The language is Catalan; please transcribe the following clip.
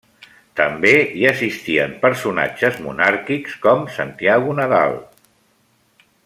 També hi assistien personatges monàrquics com Santiago Nadal.